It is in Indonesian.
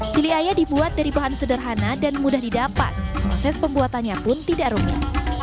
ciliaya dibuat dari bahan sederhana dan mudah didapat proses pembuatannya pun tidak rumit